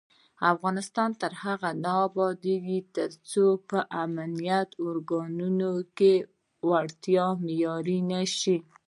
افغانستان تر هغو نه ابادیږي، ترڅو په امنیتي ارګانونو کې وړتیا معیار نشي.